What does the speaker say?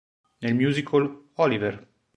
Nel musical "Oliver!